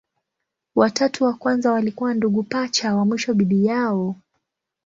Watatu wa kwanza walikuwa ndugu pacha, wa mwisho bibi yao.